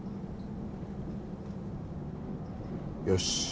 よし。